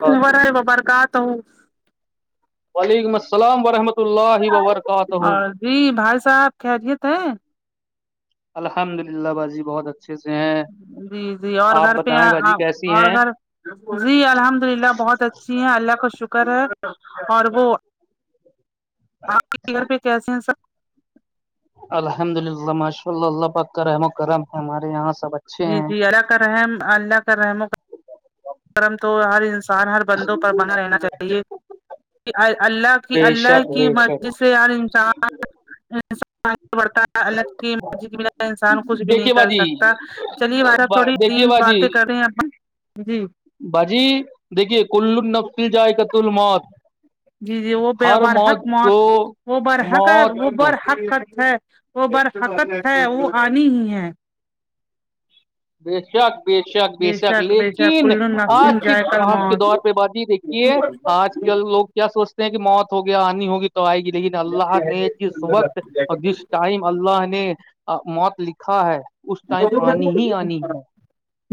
وبرکاتہ و برکاتہ وعلیکم السل ورحمۃ اللہ وبرکاتہ اور جی بھائی صاحب خیریت ہے الحمد للہ باجی بہت اچھا جی جی اور گھر پہ بتائیں باجی کیسی اور ہیں گھر جی الحمد للہ بہت اچھا جی ہیں اللہ کا شکر ہے اور وہ آپ کے گھر پہ کیسے ہیں سب الحمد للہ ماشاء اللہلہ ب کرم و کرم ہے ہمارے یہاں سے جی جی اللہ کا رحم اللہ کر رحموں کا کرم تو ہر ہر بندوں پر بنا رہنا چاہیے اللہ کی بے اللہ شک کی بے شک مرضی سے ہر انسان انسان آگے بڑھتا ہے الگ کی مرضی کی بنا انسان کچھ بھی نہیں دیکھیے کر باجی سکتا چلیے بارہ تھوڑی دیکھیے دین باتیں کر رہے ہیں اپنی جی بجی دیکھے کل نفس ذائقہ تل موت جی جی وہ بے ہر برحق موت کو وہ برحقت موت وہ کو برحقت ہے وہ بر حکت ہے وہ ہانی ہی ہے بے شک بے شک بے شک بے شک لیکن کل آج نفسن کی جائق آج کے الموت دور پہ باجی دیکھیے آج کے لوگ کیا سوچتے ہیں کہ موت ہو گیا ہانی ہوگی آئے گی لیکن اللہ نے جس وقت اور جس ٹائم اللہ نے موت لکھا ہے اس ٹائم آنی ہی آنی ہے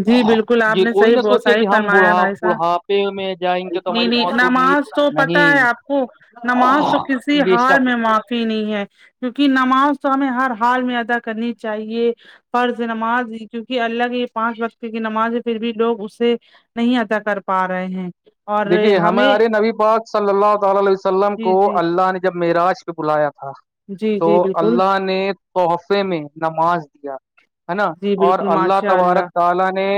جی بالکل آپ یہ نے کوئی نہ صحیح سوچے صحیح کہ ہم فرمایا بڑھا بھائی صاحب بڑھاپے میں جائیں گے تو نہیں ہماری نہیں موت ہوگی نماز تو پتہ ہے نہیں آپ کو نماز تو کسی بے حال شک میں معاف نہیں ہے کیونکہ نماز تو ہمیں ہر حال میں ادا کرنی چاہیے فرض نماز کیونکہ اللہ کی یہ پانچ وقت کی نماز ہے پھر بھی لوگ اس سے نہیں ادا کر پا رہے ہیں اور دیکھیے ہمیں ہمارے نبی پاک صلی اللہ تعالی عیلہی وسلم جی کو جی اللہ نے جب معیراج پہ بلایا تھا جی تو جی بالکل اللہ نے تحفے میں نماز دیا ہے نا جی اور بالکل اللہ ماشاء تبارک تعالی نے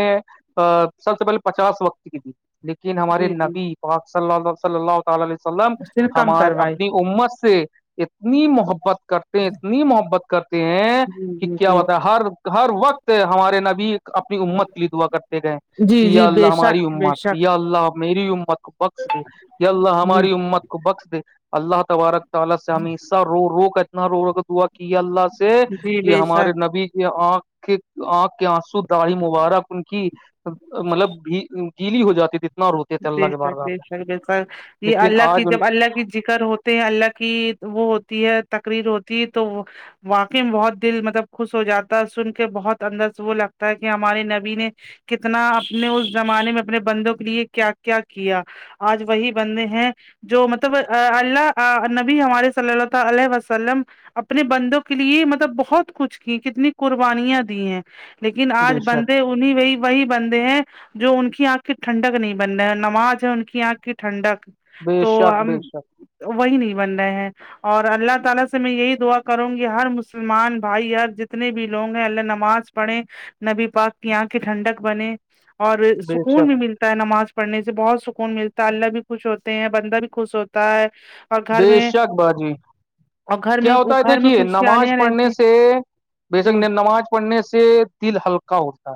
سب سے پہلے پچاس وقت کی تھی لیکن ہمارے جی جی نبی پاک ص صلی اللہم عل وسلم اس نے کم ہمار کروائی اپنی امت سے اتنی محبت کرتے ہیں اتنی محبت کرتے ہیں کہ جی کیا جی ہوتا ہے ہر ہر وقت ہمارے نبی اپنی امت کے لیے دعا کرتے گئے جی کہ جی یہ جی اللہ بے ہماری شک بے امت شک اللہ میری امت کو بخس دے یا اللہ جی ہماری امت کو بخس دے اللہ تبارک تعال سے ہمیں اسہ رو رو کا اتنا رو ر دا اللہ سے جی کہ بے شک ہمارے نبی کے آنکھ کے آنکھ کے آنسو دااڈ ہی مبارک ان کی مطلب بھی گیلی ہو جاتی تھی اتنا روتے تھے بے اللہ کے شک بارگاہ بے پہ شک بے شک یہ لیکن اللہ کی آج ان جب اللہ کی ذکر ہوتے ہیں اللہ کی وہ ہوتی ہے تقریر ہوتی ہے تو واقعی بہت دل مطلب خوش ہو جاتا ہے سن کے بہت اندر سے وہ لگتا ہے کہ ہمارے نبی نے کتنا اپنے اس زمانے میں اپنے بندوں کے لیے کیا کیا کیا آج وہی بندے ہیں جو مطلب اللہ نبی ہمارے صلی اللہ ت علیہ وسلم اپنے بندوں کے لیے مطلب بہت کچھ کی کتنی قربانیاں دی ہیں لیکن آج بے شک بندے انیں وہی وہی بندے ہیں جو ان کی آنکھ کی ٹھنڈک نہیں ب نماز ہے ان کی آنکھ کی ٹھنڈک بے تو شک ہم بے شک وہی نہیں بن رہے ہیں اور اللہ تعالی سے میں یہی دعا کروں گی ہر مسلمان بھائی ہر جتنے بھی لوگ ہیں اللہ نماز پڑے نبی پاک کی آنکھیں ٹھنڈک بنے اور بے سکون بھی شک ملتا ہے نماز پڑھنے سے بہت سکون ملتا ہے اللہ بھی خوش ہوتے ہیں بندہ بھی خوش ہوتا ہے اور گھر بے میں شک باجی اور گھر کیا میں ہوتا ہے گھر میں دیکھیے نماز خوشحالیاں پڑھنے رہتی سے بے شک جی نے نماز پڑ پڑھنے سے دل ہلکا ہوتا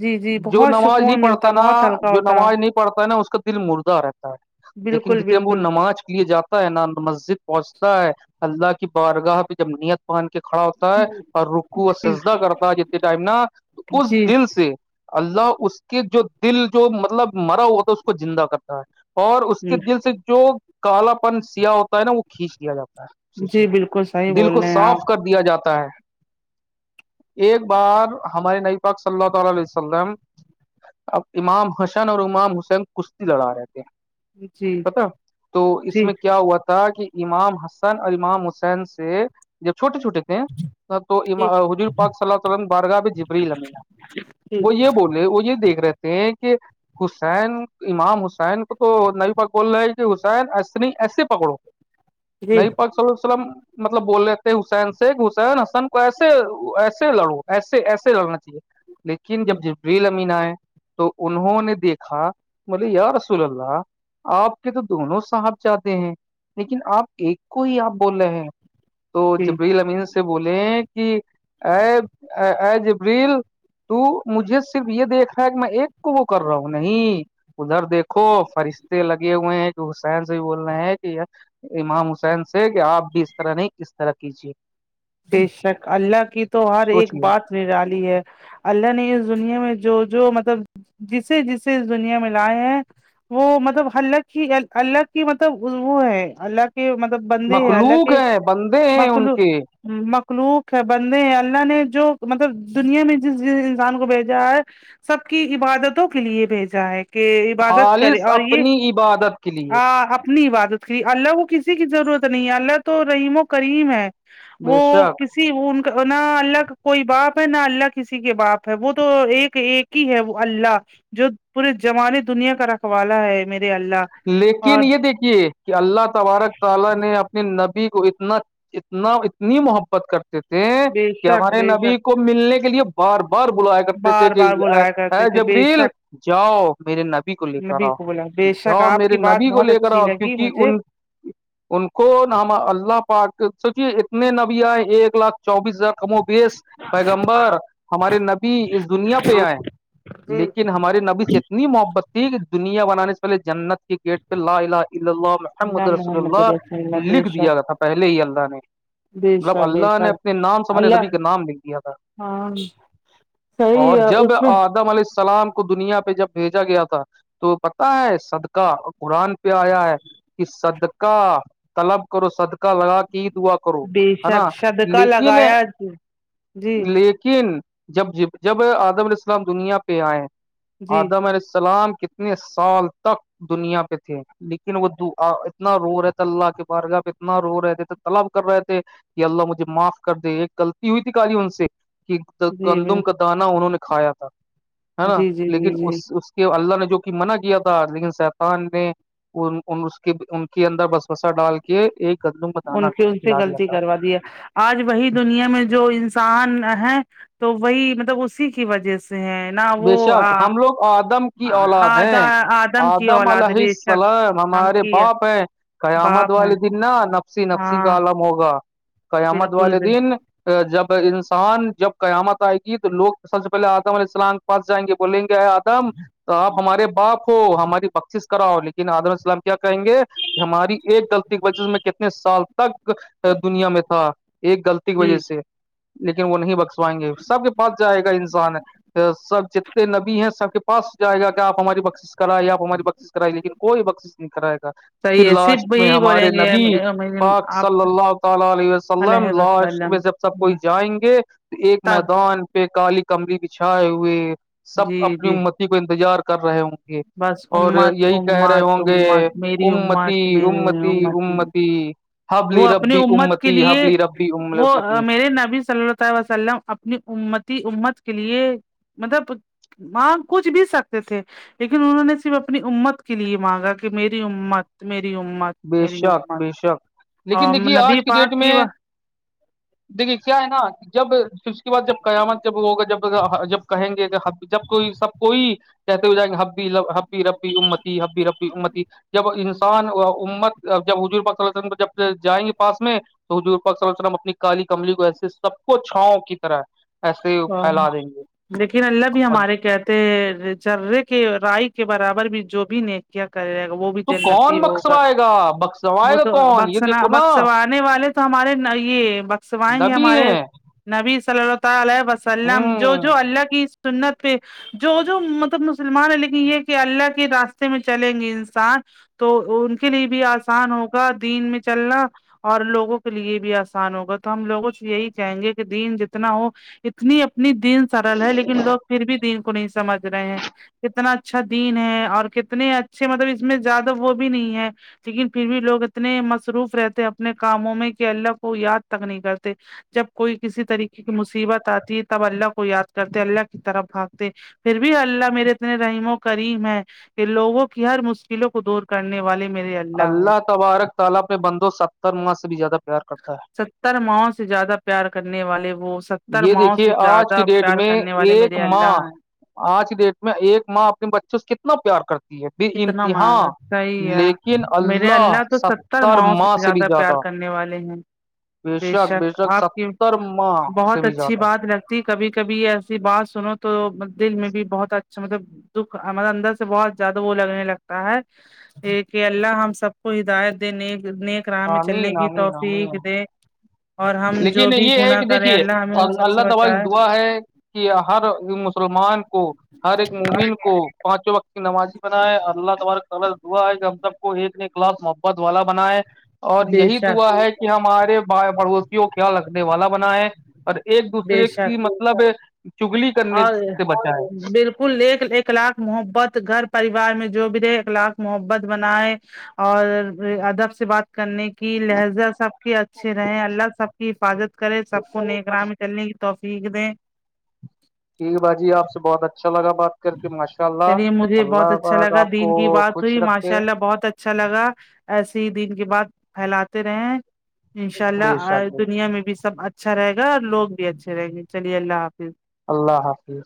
جی جی جو بہت نماز نہیں سکون ملتا پڑھتا نا بہت ہلکا جو ہوتا نماز نہیں پڑھتا نا اس کا دل مردہ رہتا ہے لیکن بالکل جتنے ہم وہ بالکل نماز کے لیے جاتے ہے نام مسجد پہنچتا ہے اللہ کی بارگاہ پہ جب نیت پہن کے کھڑا ہوتا ہے اور رکوا سجدہ کرتا ہے جتنے ٹائم نا تو اس جی دل سے اللہ اس کے جو دل جو مطلب مرا ہوا تو اس کو زندہ کرتا ہے اور اس ہ کے دل سے جو کالا پن سیا ہوتا ہے نا وہ کھینچ لیا جاتا ہے سوچ جی بالکل صحیح دل بول کو رہے ہیں آپ صاف کر دیا جاتا ہے ایک بار ہمارے نئی پاک صلہ تی علیہ وسلم اب امام حسین اور امام حسین کشتی لڑا رہے تھے جی پتا تو اس جی میں ہوا تھا کہ امام حسن اور امام حسین سے جب چھوٹے چھوٹے تھ تو جی حضور پاک صلاحوتعلم بارگاہ بھی جبری لامیا جی وہ یہ بولے وہ یے دیکھ رہتے ہیں کہ حسین امام حسین کو تو نہیںئی پ بول رہا ہے کہ حسین انی پکڑو جی نہیں پاک صلی السلم مطلب بولنے حسین شیخ حسین حسن کو ایسے ایسے لڑو ایسے ایسے لگنا چاہیے لیکن جب ج ریل امین ہے تو انہوں نے دیکھا بولے یار رسول اللہ آپ کے تو دونوں صاحب جاتے ہیں لیکن آپ ایک کو ہی آپ بول رہے ہیں تو جی جبریل امینس سے بولے ہیں کہ ای ای جبریل تو مجھے صرف یہ دیکھ رہا ہے کہ میں ایک کو وہ کر رہا ہوں نہیں ادھر دیکھو فرشتے لگے ہوئے ہیں کہ حسین سے بول رہ کہ امام حسین سے کہ آپ بھی اس طرح نہیں کس طرح کیجیے بے شک اللہ کی تو ہر ایک سوچیے بات ڈالی ہے اللہ نے اس دنیا میں جو جو مطلب جسے جسے اس دنیا میں لائے ہیں وہ مطلب اللہ کی اللہ کی مطلب وہ ہے اللہ کہ مطلب بندے ہیں مخلوق حالانکہ ہیں بندے میں ہیں ان کلو کے مخلوق ہے بندے ہیں اللہ نے جو مطلب دنیا میں جس ج انسان کو بھیجا ہے سب کی عبادتوں کے لیے بھیجا ہے کہ عبادت کرے خالص اور یہ اپنی عبادت کے لیے اپنی عبادت اللہ کو کسی کی ضرورت نہیں اللہ تو رحیم و کریم ہے وہ بے شک کسی کسی ان کا نہ اللہ کا کوئی باپ ہے نہ اللہ کسی کے باپ ہے وہ تو ایک ایک کی ہے وہ اللہ جو پورے جمالی دنیا کا رکھوالا ہے میرے اللہ اور لیکن یہ دیکھیے کہ اللہ تبارک تعالی نے اپنے نبی کو اتنا اتنا اتنی محبت کرتے تھے بے کہ شک ہمارے بے نبی شک کو ملنے کے لیے بار بار بلایا کرتے تھے بار کہ بار بلایا ہے کرتے تھے بے جبریل شک جاؤ میرے نبی کو لے کر نبی آؤ کو بولا بے شک جاؤ آپ میرے کی بات نبی کو بہت لے کر اچھی آؤ لگی کیونکہ مجھے ان ان کو ن اللہ پاک سوچیے اتنے نبیا ایک لاکھ چوبیس ہزار کم و بیس پیگمبر ہمارے نبی اس دنیا پہ جی آئے لیکن ہماریے نبی سے اتنی محبت تھی کہ دنیا بنانے سے پہے جنت کے گیٹ پہ لا ال اللہ محمد اللہ رسول محمد رسول اللہ بے لکھ دیا شک تھا پہلے ہی اللہ نے بے مطلب شک بے اللہ نے شک اپنے نام سبان اللہ نبی کا نام لکھ دیا تھا ہاں صحیح اور ہے جب اس میں آدم علیہ السلام کو دنیا پہ جب بھیجا گیا تھا تو پ ہے صدقا قرآن پہ آیا ہے کہ صدکا طلب کرو صدکا لگا کہ دعا کرو بے ہے نا شک صدقہ لیکن لگایا جی جی لیکن جب ج جب آدم علیہ السلام دنیا پہ آئے جی آدم علیہ السلام کتنے سال تک دنیا پہ تھے لیکن وہ اتنا رو رہ تھ اللہ کے بارگاہ پہ اتنا رو رہے تھے تو طلب کر رہے تھے یہ اللہ مجھے معاف کر دے ایک غلی ہوئی تھی کی ان سے کہ جی گندم کا دانا انہوں نے کھایا تھا ہے نا جی جی لیکن جی اس اس اللہ نے جو کہ مناع کیا کیا تھا لیکن سیتان نے کے ان کے اندر بسوسا ڈال کے یہ قدم [unintelligible] ان کے ان سے غلطی کروا دیا آج وہی دنیا میں جو انسان ہے تو وہی مطلب اسی کی وجہ سے ہے نہ بے وہ شک ہم لوگ آدم کی اولاد ہیں آدا کی آدم اولاد بے شک الام ہم ہمارے کی باپ ہیں قیامت باپ ہیں والی دی ن نفسی نفسی کا ہاں عالم ہوگا قیامت بالکل والے ب دن جب انسان جب قیامت آئے گی تو لوگ سب سے پہلے آتم علیہ السلام پنس جائیں گے بولیں گے آدم تو آپ ہمارے باپ ہو ہماری پخیس کراؤ لیکن عادل السلام کیا کہیں گے [unintelligible] ہماری ایک غلطی کی بج ج میں کتنے سال تک دنیا میں تھا ایک غلط کی وجہ جی سے لیکن وہ نہیں بخسوائیں گے سب کے پاس جائے گا انسان ہے سب جتنے نبی ہیں سب کے پاس جائے گا کہ آ ہماری بخش کرائی آپ ہماری بخشش کرائی لیکن کوئی بخشش نہیں کرائے گا پھر صحیح ہے لاسٹ صرف میں یہی بولیں ہمارے گے نبی پاک ص آپ اللہ تعالی علیہ وسلم علیہ لاسٹ وسلم میں جب سب کوئی جائیں گے تو ایک تب میدان پہ کال کمری بچھائے ہوئے سب جی اپنی جی اتی کو انتظار کر رہے ہوں گے بس اور امت یہی کہہ رہے امت ہوں گے امت میری امت امتی میں امتی امت امتی حبلی وہ اپنی ربی امت کے امتی لیے حبلی ربی وہ امتی میرے نبی صلہ اللہ وسلم اپنی اتی امت کے لیے مطلب وہاں کچھ بھی سکتے تھے لیکن انہوں نے صرف اپنی امت کے لیے مانگا کہ میری امت میری امت بے میری شک امت بے شک لیکن اور دیکھیے آج نبی کی ڈیٹ پاک میں دیکھیے کیا ہے نا جب پھر اس کے بعد جب قیامت جب ہوگا جب جب کہیں گے کہ جب کوئی سب کوئی کہتے ہو جائیں گے ہبی ہبی ربی امتی ہبی ربی امتی جب انسان امت جب حجور ب جب جائیں گے پاس میں تو پ سوم اپنی کالی کملی کو ایسے سب کو چھاؤں کی طرح ایسے پھیلا دیں گے لیکن اللہ بھی اور ہمارے کہتے جرے کے رائی کے برابر بھی جو بھی نہیں کیا کر جائے گا وہ بھی تو جنتی کون ہوگا بکسوائے گا بکسوائے وہ گا تو ب کون یہ دیکھو نا بکسوانے والے تو ہمارے یہ بکسوائیں گے نبی ہمارے ہیں نبی صلی اللہ تعالییہ وسلم جو ہوں جو اللہ کی سنت پ جو جو مطلب مسلمان ہے لیکن یہ کہ اللہ کے راستے میں چلیں گے انسان تو ان کے لیے بھی آسان ہوگا دین میں چلنا اور لوگوں کے لیے بھی آسان ہوگا تو ہم لوگوں سے یہی کہیں گے کہ دین جتنا ہو اتنی اپنی دین سرل ہے لیکن لوگ پھر بھی دین کو نہیں سمجھ رہے ہیں کتنا اچھا دین ہے اور کتنے اچھے مطلب اس میں زیادہ وہ بھی نہیں ہے لیکن پھر بھی لوگ اتنے مصروف رہتے اپنے کاموں میں کہ اللہ کو یاد تک نہیں کرتے جب کوئی کسی طریقے کی مصیبت آتی ہے تب اللہ کو یاد کرتے اللہ کی طرف بھاگتے پھر بھی اللہ میرے اتنے رحیم و کریم ہے کہ لوگوں کی ہر مشکلوں کو دور کرنے والے میرے اللہ تبارک تالی پہ بندو ستر موا سے بھی زیادہ پیار کرتا ہے ستر ماہ سے زیادہ پیار کرنے والے وہ س یہ دیکھیے آج کی ڈیٹ میں والے ایک میرے ماہ اللہ ہے آج کی ڈیٹ میں ایک ماں اپنے بچوں سے کتنا پیار کرتی ب کتنا مانگا صحیح امتحان ہے لیکن اللہ ستر ماہ سے بھی زیادہ کرنے والے ہیں بے شک آپ کی ستر ماہ سے بہت بھی اچھی زیادہ بات لگتی کبھی کبھی ایسی بات سنو تو دل میں بھی بہت اچھا مطلب دکھ ہمارے اندر سے بہت زدہ وہ لگنے لگتا ہے کہ اللہ ہم سب کو ہدایت دینے گام میں چلنے آمین کی آمین توحفی آمین دے اور ہم جو لیکن بھی یہ ہے گناہ کہ کریں دیکھیے اللہ ہمیں ان سب سے اللہ تبار بچائے دعا ہے کہ ہر مسلمان کو ہر ایک مومن کو پانچوں وقت کی نمازی بنائے اللہ تبارک طغط دا ہے کہ ہم سب کو ایک نے ک للاف محبت والا بنائے اور بے یہی دعا شک ہے کہ ہمارے پڑوسیوں خیال رکھنے والا بنا ہے اور ایک بے دوسرے شک کی مطلب چگلی کرنے سے بچا ہے کل ایک ایک لاکھ محبت گھر پریوار میں جو بھی رہے ایک لاکھ محبت بنائے اور ادب سے بات کرنے کی لہجہ سب کے اچھے رہے اللہ سب کی حفاظت کرے سب کو نیک راہ میں چلنے کی توفیق د ٹیک باج آپ سے بہت اچھا لگا بات کر کے ماشاء اللہ چلیے مجھے بہت اللہ اچھا پاک لگا آپ کو دین کی بات خوش ہوئی ماشاء رکھے اللہ بہت اچھا اچھا لگا ایسے ہی دن کے بعد پھیلاتے رہے انشاء اللہ بے شک دنیا میں بھی سب اچھا رہے گا اور لوگ بھی اچھے رہیں گے چلیے اللہ حافظ اللہ حافظ